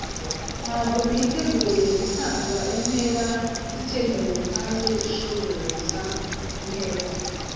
Ntabwo niteguye gutanga intera ikenewe kandi ishoboza intera-